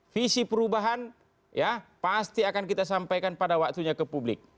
visi perubahan ya pasti akan kita sampaikan pada waktunya ke publik